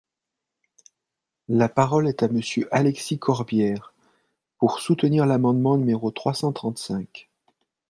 La parole est à Monsieur Alexis Corbière, pour soutenir l’amendement numéro trois cent trente-cinq.